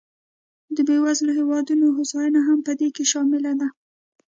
د بېوزلو هېوادونو هوساینه هم په دې کې شامله ده.